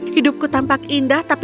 hidupku tampak indah tapi